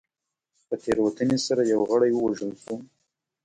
په تېروتنې سره یو غړی ووژل شو.